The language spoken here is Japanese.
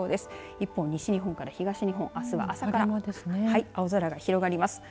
一方、西日本から東日本あすは朝から青空が広がります。